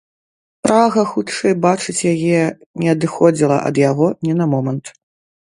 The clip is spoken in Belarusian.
Прага хутчэй бачыць яе не адыходзіла ад яго ні на момант.